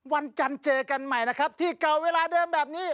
วันจันทร์เจอกันใหม่นะครับที่เก่าเวลาเดิมแบบนี้